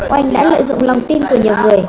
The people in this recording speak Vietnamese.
oanh đã lợi dụng lòng tin của nhiều người